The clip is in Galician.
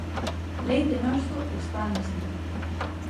Leite Noso expándese.